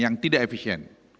yang tidak efisien